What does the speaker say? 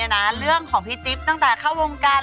พูดกันมาเนี่ยนะเรื่องของพี่จิ๊บตั้งแต่เข้าวงกัน